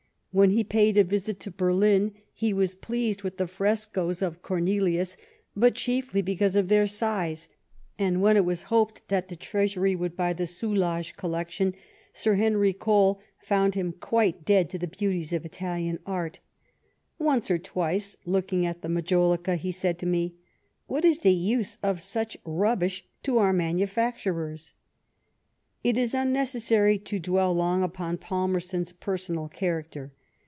When he paid a visit to Berlin, he was pleased with the frescoes of Cornelius, but chiefly because of their size ; and when it was hoped that the Treasury would buy the Soulages collection. Sir Henry Cole found him quite dead to the beauties of Italian art. " Once or twice, looking at the majolica, he said to me, * What is the use of such rubbish to our manufacturers ?'*' i ^^' It is unnecessary to dwell long upon Palmerston's personal character.